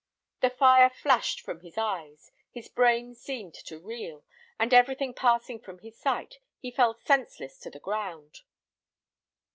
The fire flashed from his eyes, his brain seemed to reel, and everything passing from his sight, he fell senseless to the ground.